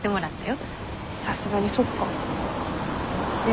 さすがにそっか。